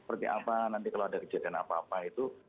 seperti apa nanti kalau ada kejadian apa apa itu